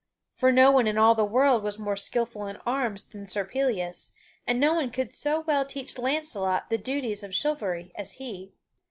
For no one in all the world was more skilful in arms than Sir Pellias, and no one could so well teach Launcelot the duties of chivalry as he.